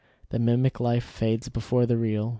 The mimic life fades before the real.